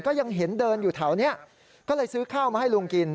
ก็ยังเห็นเดินอยู่แถวนี้ก็เลยซื้อข้าวมาให้ลุงกิน